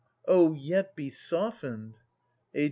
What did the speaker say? Oh, yet be softened! Ai.